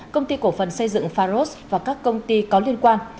công ty cổ phần xây dựng pharos và các công ty có liên quan